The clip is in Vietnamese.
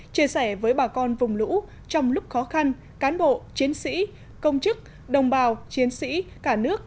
chia sẻ với bà con vùng lũ trong lúc khó khăn cán bộ chiến sĩ công chức đồng bào chiến sĩ cả nước